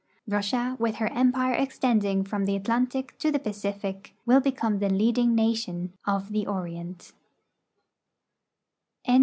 Russia, with her empire extending from the Atlantic to the Pacific, Avill become the leading nation of the Orient.